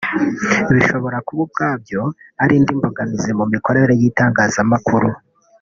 bishobora kuba ubwabyo ari indi mbogamizi ku mikorere y’itangazamakuru